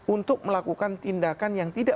untuk melakukan tindakan yang tidak